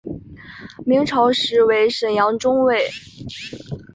明朝时为沈阳中卫。